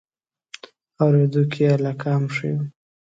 اورېدو کې یې علاقه هم ښیو.